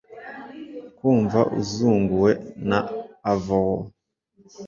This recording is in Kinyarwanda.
Kumva usuzuguwe na avowal